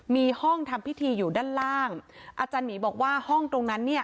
มีห้องทำพิธีอยู่ด้านล่างอาจารย์หมีบอกว่าห้องตรงนั้นเนี่ย